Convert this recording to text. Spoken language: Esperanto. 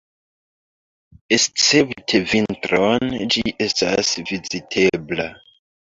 Escepte vintron ĝi estas vizitebla.